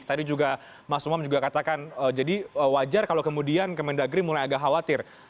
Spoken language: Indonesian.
tadi juga mas umam juga katakan jadi wajar kalau kemudian kemendagri mulai agak khawatir